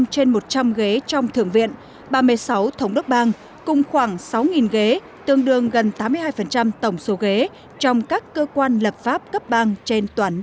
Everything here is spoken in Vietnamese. ba mươi năm trên một trăm linh ghế trong thượng viện ba mươi sáu thống đức bang cùng khoảng sáu ghế tương đương gần tám nghế